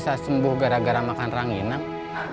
ya aku bisa sembuh gara gara makan ranginang